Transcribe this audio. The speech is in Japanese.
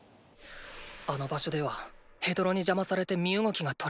あの場所ではヘドロに邪魔されて身動きが取れない。